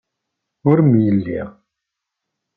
Ur mlellin.